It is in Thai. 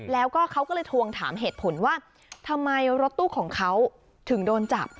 แล้วก็เขาก็เลยทวงถามเหตุผลว่าทำไมรถตู้ของเขาถึงโดนจับ